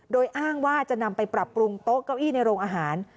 โดยอ้างว่าจะนำไปปรับปรุงโต๊ะเก้าอี้ในโรงอาหาร